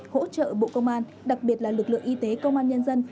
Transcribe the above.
hỗ trợ bộ công an đặc biệt là lực lượng y tế công an nhân dân